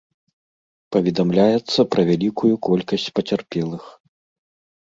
Паведамляецца пра вялікую колькасць пацярпелых.